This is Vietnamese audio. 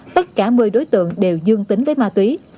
tất cả một mươi đối tượng đều dương tính với ma túy